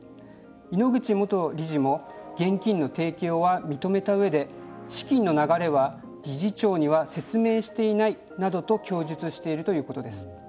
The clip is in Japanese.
井ノ口元理事も現金の提供は認めた上で資金の流れは理事長には説明していないなどと供述しているということです。